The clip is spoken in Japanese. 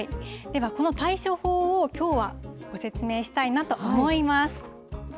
ではこの対処法を、きょうはご説明したいなと思います。